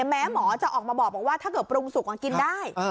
แม้หมอจะออกมาบอกว่าถ้าเกิดปรุงสุกกินได้